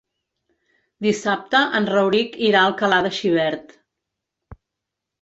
Dissabte en Rauric irà a Alcalà de Xivert.